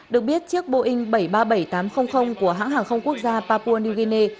được biết chiếc boeing bảy trăm ba mươi bảy tám trăm linh của hãng hàng không quốc gia papua new guinea